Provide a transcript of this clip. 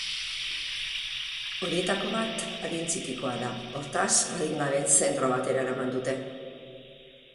Horietako bat adin txikikoa da, hortaz, adingabeen zentro batera eraman dute.